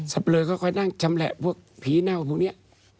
เปลือค่อยนั่งชำแหละพวกผีเน่าพวกนี้